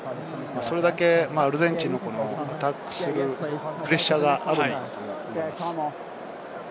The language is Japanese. それだけアルゼンチンのアタック、プレッシャーがあると思います。